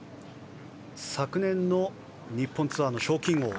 昨年の日本ツアーの賞金王。